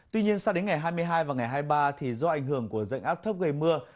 tuy nhiên sang đến ngày hai mươi hai và ngày hai mươi ba thì do ảnh hưởng của dạnh áp thấp gây mưa